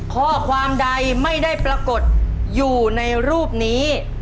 ข้อความใดไม่ได้ปรากฏอยู่ในรูปนี้